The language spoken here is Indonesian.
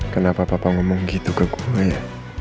kenapa papa ngomong gitu ke gue ya